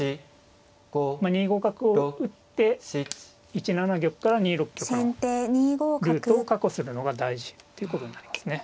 まあ２五角を打って１七玉から２六玉のルートを確保するのが大事ってことになりますね。